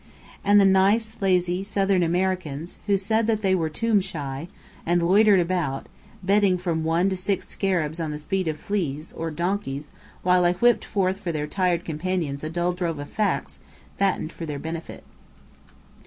And the nice, lazy, Southern Americans, who said they were "tomb shy," and loitered about, betting from one to six scarabs on the speed of fleas, or donkeys, while I whipped forth for their tired companions a dull drove of facts fattened for their benefit.